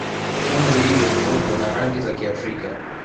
kama zilivyo miundo na rangi za Kiafrika